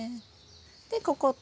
でここと。